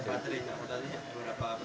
ada baterai yang memotasi